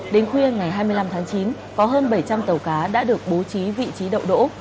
đến khuya ngày hai mươi năm tháng chín có hơn bảy trăm linh tàu cá đã được bố trí vị trí đậu đỗ